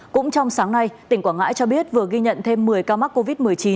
cũng trong sáng nay tỉnh quảng ngãi cho biết vừa ghi nhận thêm một mươi ca mắc covid một mươi chín